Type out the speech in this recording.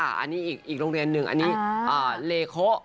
อันนี้อีกโรงเรียนหนึ่งอันนี้เลโค